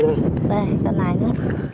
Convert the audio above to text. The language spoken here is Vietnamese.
đây còn này nữa